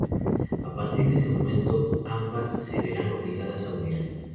A partir de este momento, ambas se verán obligadas a huir.